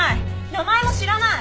名前も知らない！